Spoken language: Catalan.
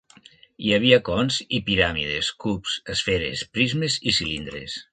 Hi havia cons i piràmides, cubs, esferes, prismes i cilindres.